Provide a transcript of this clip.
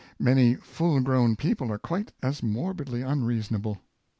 Many full grown people are quite as morbidly unreason able.